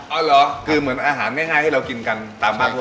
เหรอคือเหมือนอาหารไม่ง่ายให้เรากินกันตามบ้านทั่ว